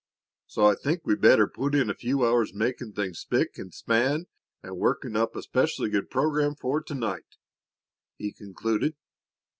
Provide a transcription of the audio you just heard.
"So I think we'd better put in a few hours making things spick and span and working up a specially good program for to night," he concluded.